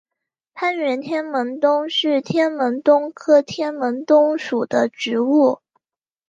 攀援天门冬是天门冬科天门冬属的植物。